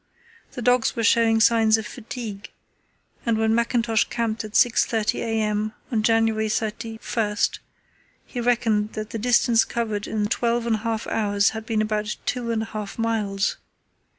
The dogs were showing signs of fatigue, and when Mackintosh camped at 6.30 a.m. on January 31, he reckoned that the distance covered in twelve and a half hours had been about two and a half miles.